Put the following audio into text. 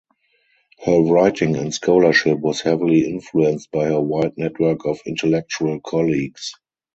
Her writing and scholarship was heavily influenced by her wide network of intellectual colleagues.